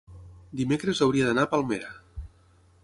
Dimecres hauria d'anar a Palmera.